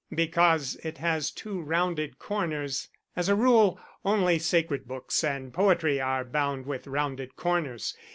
"Because it has two rounded corners. As a rule, only sacred books and poetry are bound with rounded corners.